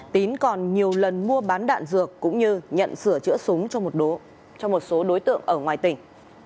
tín còn nhiều lần mua bán đạn dược cũng như nhận sửa chữa súng cho một số đối tượng ở ngoài tỉnh